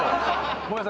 ごめんなさい。